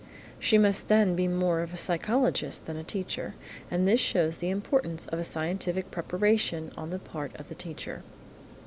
She must then be more of a psychologist than a teacher, and this shows the importance of a scientific preparation on the part of the teacher.